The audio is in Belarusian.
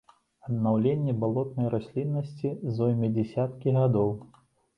Аднаўленне балотнай расліннасці зойме дзясяткі гадоў.